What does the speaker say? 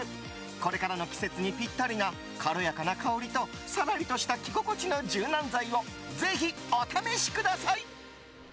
これからの季節にぴったりな軽やかな香りとさらりとした着心地の柔軟剤をぜひお試しください。